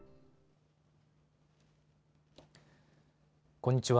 こんにちは。